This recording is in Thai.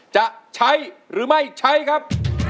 จะใช้หรือไม่ใช้ครับ